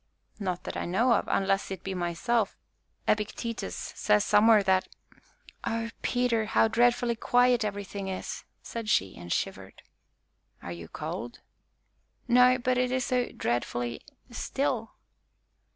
"Not that I know of, unless it be myself. Epictetus says somewhere that " "Oh, Peter, how dreadfully quiet everything is!" said she, and shivered. "Are you cold?" "No but it is so dreadfully still."